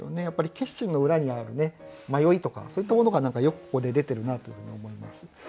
やっぱり決心の裏にある迷いとかそういったものが何かよくここで出てるなというふうに思います。